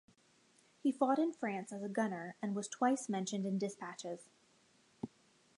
He fought in France as a gunner and was twice mentioned in dispatches.